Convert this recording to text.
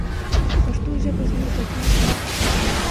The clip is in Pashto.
پښتو ژبه زموږ د ژوند رڼا ده.